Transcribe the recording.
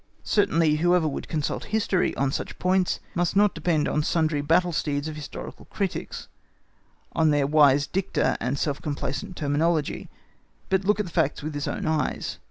Certainly, whoever would consult history on such points must not depend on sundry battle steeds of historical critics, on their wise dicta and self complacent terminology, but look at facts with his own eyes.